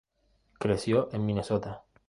Creció en Minnesota.